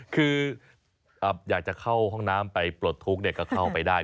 คืออยากจะเข้าห้องน้ำไปปลดทุกข์ก็เข้าไปได้